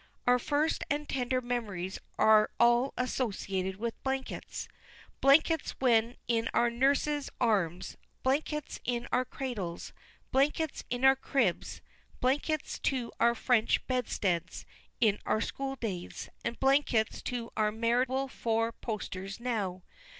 Our first and tender memories are all associated with blankets: blankets when in our nurses' arms, blankets in our cradles, blankets in our cribs, blankets to our French bedsteads in our schooldays, and blankets to our marital four posters now.